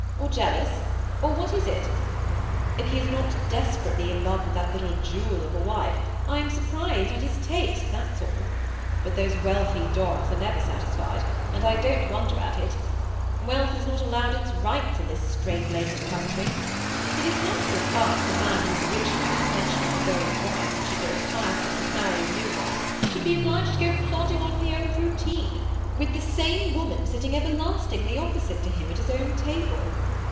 or jealous, or what is it ? If he is not desperately in love with that little jewel of a wife, I am surprised at his taste, that's all ; but those wealthy dogs never are satis fied, and I don't wonder at it. Wealth is not allowed its rights in this straitlaced country. It is monstrous hard that a man who is rich enough to pension off his old wife when she grows tiresome, and marry a new one, should be obliged to go plodding on in the old routine, with the same woman sitting everlastingly opposite to him at his own table.